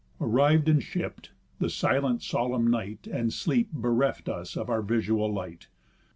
Arriv'd and shipp'd, the silent solemn night And sleep bereft us of our visual light.